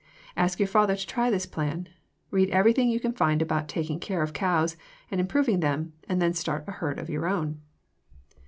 Ask your father to try this plan. Read everything you can find about taking care of cows and improving them, and then start a herd of your own.